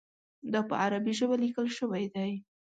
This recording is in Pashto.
دا په عربي ژبه لیکل شوی دی.